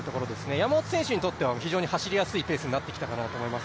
山本選手にとっては非常に走りやすいペースになってきたかなと思います。